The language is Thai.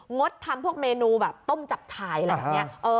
งดทำพวกเมนูแบบต้มจับชายอะไรแบบนี้